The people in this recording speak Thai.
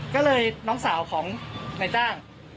ก็เลยน้องสาวของนายจ้าง